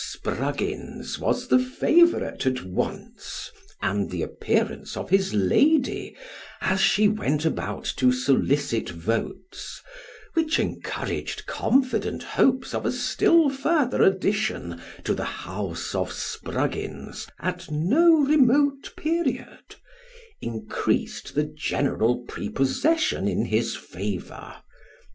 Spruggins was the favourite at once, and the appearance of his lady, as she went about to solicit votes (which encouraged confident hopes of a still further addition to the house of Spruggins at no remote period), increased the general prepossession in his favour.